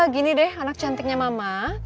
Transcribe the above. gini deh anak cantiknya mama